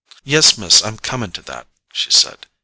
"Yes, Miss; I'm coming to that," she said.